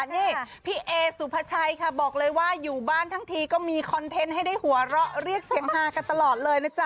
นี่พี่เอสุภาชัยค่ะบอกเลยว่าอยู่บ้านทั้งทีก็มีคอนเทนต์ให้ได้หัวเราะเรียกเสียงฮากันตลอดเลยนะจ๊ะ